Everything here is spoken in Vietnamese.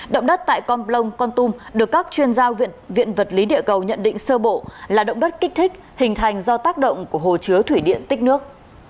động đất tại con plong con tum được các chuyên gia viện vật lý địa cầu nhận định sơ bộ là động đất kích thích hình thành do tác động của hồ chứa thủy điện tích nước